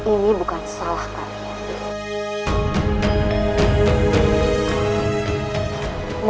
ini bukan salah kami